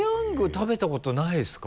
食べたことないですか？